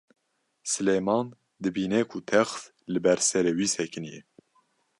Silêman dibîne ku text li ber serê wî sekiniye.